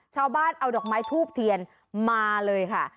ชาวบ้านเอาดอกไม้ทูบเทียนมาเลยค่ะ